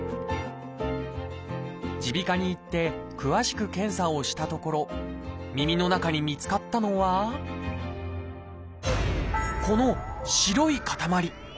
耳鼻科に行って詳しく検査をしたところ耳の中に見つかったのはこの白い塊。